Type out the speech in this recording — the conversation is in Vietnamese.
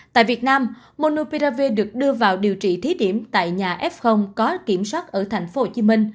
tại việt nam monopirave được đưa vào điều trị thí điểm tại nhà f có kiểm soát ở tp hcm